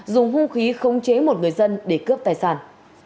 dùng hung khí khống chế một người dân để cướp tài sản